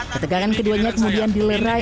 ketegangan keduanya kemudian dilerai